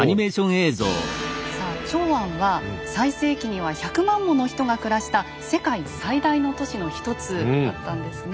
さあ長安は最盛期には１００万もの人が暮らした世界最大の都市のひとつだったんですね。